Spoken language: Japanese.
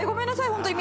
本当に。